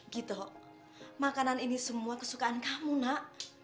gitu makanan ini semua kesukaan kamu nak